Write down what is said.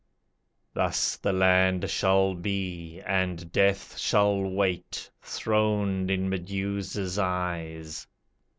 Thus the land shall be, And Death shall wait, throned in Medusa's eyes.